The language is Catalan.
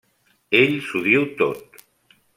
Ell s’ho diu tot.